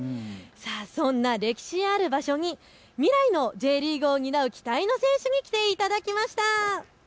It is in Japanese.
そんな歴史ある場所に未来のＪリーグを担う期待の選手に来ていただきました。